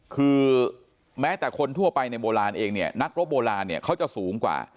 คือแม้แต่คนทั่วไปในโบราณเองเนี่ยนักรบโบราณเนี่ยเขาจะสูงกว่า